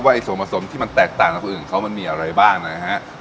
ว่าอีกส่วนผสมที่มันแตกต่างกับอื่นเค้ามันมีอะไรบ้างนะฮะ